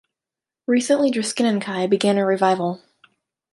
Recently Druskininkai began a revival.